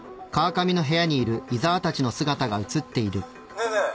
ねえねえ。